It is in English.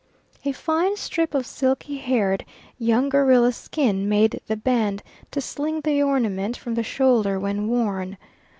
A fine strip of silky haired, young gorilla skin made the band to sling the ornament from the shoulder when worn.